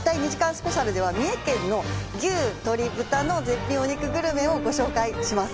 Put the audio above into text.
スペシャルでは、三重県の牛、鶏、豚の絶品お肉グルメをご紹介いたします。